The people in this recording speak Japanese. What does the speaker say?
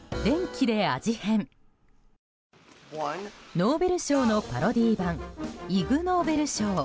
ノーベル賞のパロディー版イグ・ノーベル賞。